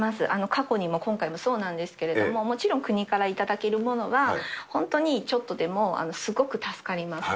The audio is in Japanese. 過去でも今回もそうなんですけど、もちろん国から頂けるものは、本当にちょっとでもすごく助かります。